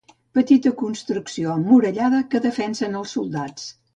Petita construcció emmurallada que defensen els soldats.